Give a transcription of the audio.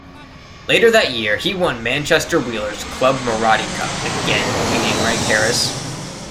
Later that year he won Manchester Wheelers' Club Muratti Cup again beating Reg Harris.